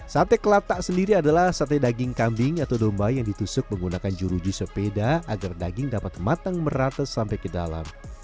sate kelak tak sendiri adalah sate daging kambing atau domba yang ditusuk menggunakan juruju sepeda agar daging dapat matang merata sampai ke dalam